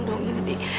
ndi tolong dong yudi